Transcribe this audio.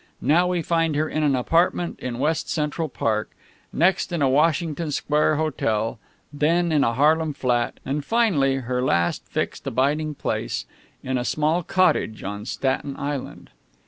Now we find her in an apartment in West Central Park, next in a Washington Square hotel, then in a Harlem flat, and finally her last, fixed abiding place in a small cottage on Staten Island.